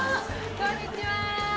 こんにちは。